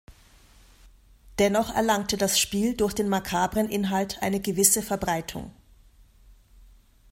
Dennoch erlangte das Spiel durch den makabren Inhalt eine gewisse Verbreitung.